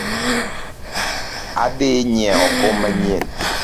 Adhii nyieo kom manyien